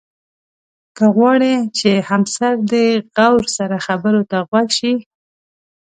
که غواړې چې همسر دې غور سره خبرو ته غوږ شي.